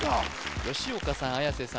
吉岡さん綾瀬さん